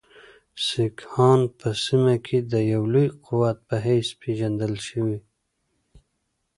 سیکهان په سیمه کې د یوه لوی قوت په حیث پېژندل شوي.